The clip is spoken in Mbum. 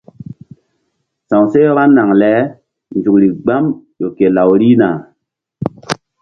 Sa̧wseh vba naŋ le nzukri gbam ƴo ke law rihna.